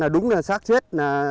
đúng là sát chết